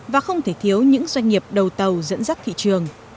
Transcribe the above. và không thể thiếu những doanh nghiệp đầu tàu dẫn dắt thị trường